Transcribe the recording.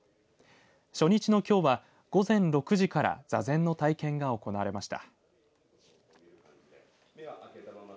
初日のきょうは午前６時から座禅の体験が行われました。